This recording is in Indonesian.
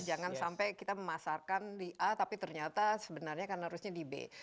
jangan sampai kita memasarkan di a tapi ternyata sebenarnya kan harusnya di b